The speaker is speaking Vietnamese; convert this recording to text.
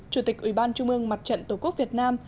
chủ tịch ủy ban trung ương mặt trận tổ quốc việt nam